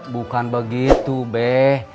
bukan begitu beh